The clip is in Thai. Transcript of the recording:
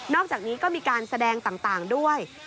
อกจากนี้ก็มีการแสดงต่างด้วย